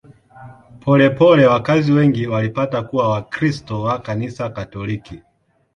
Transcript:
Polepole wakazi wengi walipata kuwa Wakristo wa Kanisa Katoliki.